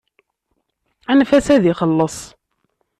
Anef-as ad ixelleṣ.